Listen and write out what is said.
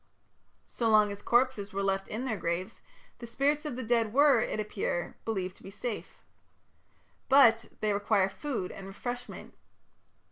So long as corpses were left in their graves, the spirits of the dead were, it would appear, believed to be safe. But they required food and refreshment.